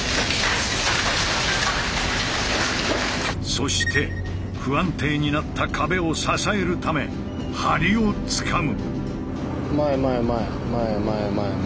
そして不安定になった壁を支えるため梁をつかむ。